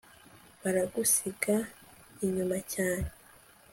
Baragusiga inyuma cyane